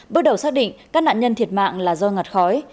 bước đầu xác định các nạn nhân thiệt mạng là do ngạt khói